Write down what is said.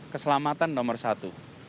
keselamatan nomor satu